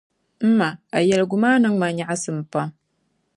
M ma, a yɛligu maa niŋ ma nyaɣisim pam.